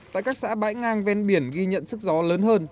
tại các xã bãi ngang ven biển ghi nhận sức gió lớn hơn